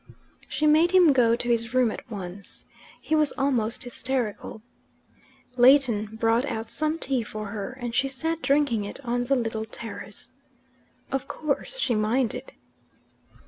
She made him go to his room at once: he was almost hysterical. Leighton brought out some tea for her, and she sat drinking it on the little terrace. Of course she minded.